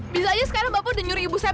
bisa aja sekarang bapak udah nyuruh ibu saya